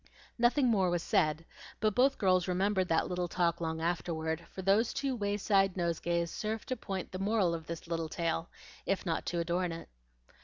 Nothing more was said; but both girls remembered that little talk long afterward, for those two wayside nosegays served to point the moral of this little tale, if not to adorn it.